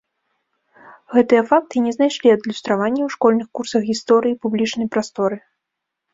Гэтыя факты не знайшлі адлюстравання ў школьных курсах гісторыі і публічнай прасторы.